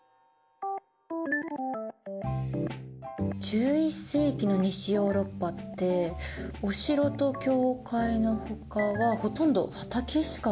１１世紀の西ヨーロッパってお城と教会のほかはほとんど畑しかなかったんだ。